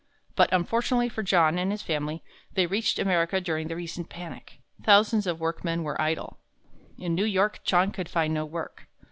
But unfortunately for John and his family, they reached America during the recent panic. Thousands of workmen were idle. In New York, John could find no work.